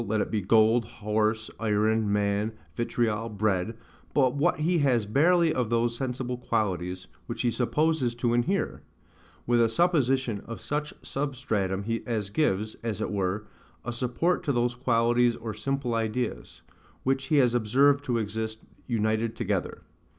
let it be gold, horse, iron, man, vitriol, bread, but what he has barely of those sensible qualities, which he supposes to inhere; with a supposition of such a substratum as gives, as it were, a support to those qualities or simple ideas, which he has observed to exist united together.